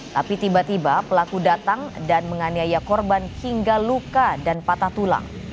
tapi tiba tiba pelaku datang dan menganiaya korban hingga luka dan patah tulang